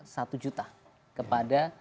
satu juta kepada